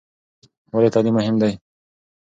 ولې تعلیم مهم دی؟